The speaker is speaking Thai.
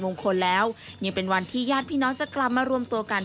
รุ่นคนแล้วเหมือนเป็นวันที่ญาติพี่น้องจะกลับมารวมตัวกัน